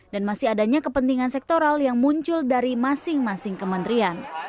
dan masih adanya kepentingan sektoral yang muncul dari masing masing kementerian